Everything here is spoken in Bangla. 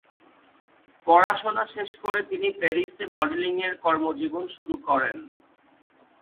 পড়াশোনা শেষ করে তিনি প্যারিসে মডেলিংয়ে কর্মজীবন শুরু করেন।